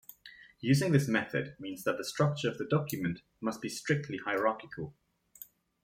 Using this method means that the structure of the document must be strictly hierarchical.